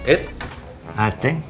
eh ah ceng